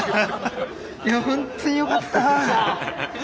いやホントによかった。